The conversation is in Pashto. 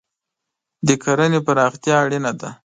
د کرهنې پراختیا اړینه ده.